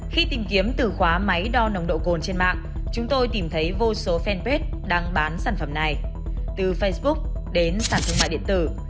khi tìm kiếm từ khóa máy đo nồng độ cồn trên mạng chúng tôi tìm thấy vô số fanpage đang bán sản phẩm này từ facebook đến sản thương mại điện tử